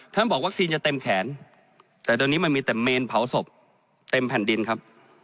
บอกวัคซีนจะเต็มแขนแต่ตอนนี้มันมีแต่เมนเผาศพเต็มแผ่นดินครับ